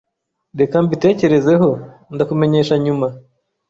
Reka mbitekerezeho, ndakumenyesha nyuma